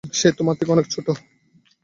সে তোমার থেকে অনেক ছোট।